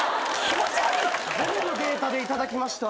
全部データでいただきました。